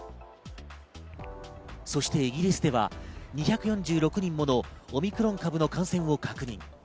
そしてイギリスでは２４６人ものオミクロン株の感染を確認。